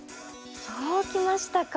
そうきましたか。